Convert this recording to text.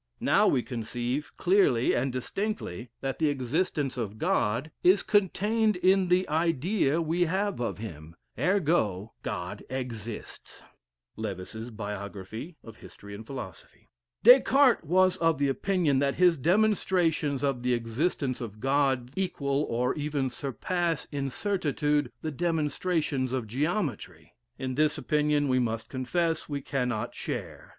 "Now, we conceive clearly and distinctly that the existence of God is contained in the idea we have of him: ergo God exists." (Lewes's Bio. Hist. Phil.) Des Cartes was of opinion that his demonstrations of the existence of God "equal or even surpass in certitude the demonstrations of geometry." In this opinion we must confess we cannot share.